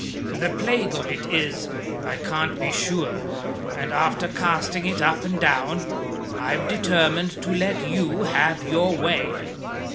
The plague of it is, I can't be sure; and after casting it up and down, I've determined to let you have your way."